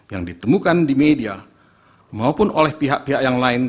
yang ditemukan di media maupun oleh pihak pihak yang lain